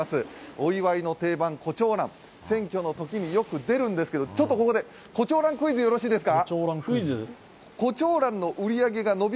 お祝いの定番こちょうらん、選挙のときによく出るんですけどちょっとここでこちょうらんクイズ、いいですか。